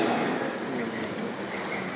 harapan tidak terlalu baik